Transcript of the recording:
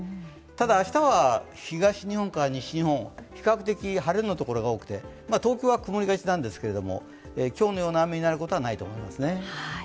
ただ、明日は東日本から西日本、比較的晴れのところが多くて、東京は曇りがちなんですけども、今日のような雨になることはないと思いますね。